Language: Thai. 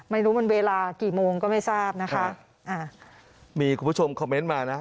ไม่รู้มันเวลากี่โมงก็ไม่ทราบนะคะอ่ามีคุณผู้ชมคอมเมนต์มานะ